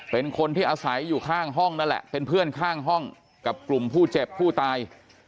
เป็นคนที่อาศัยอยู่ข้างห้องนั่นแหละเป็นเพื่อนข้างห้องกับกลุ่มผู้เจ็บผู้ตาย